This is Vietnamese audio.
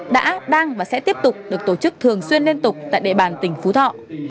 đã đang và sẽ tiếp tục được tổ chức thường xuyên liên tục tại địa bàn tỉnh phú thọ